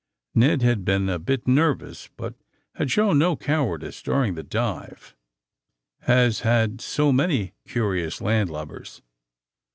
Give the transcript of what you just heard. Ned had been a bit nervous, but had shown no cowardice during the dive, as had so many ourious landlubbers.